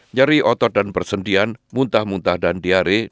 nyeri otot dan persendian muntah muntah dan diare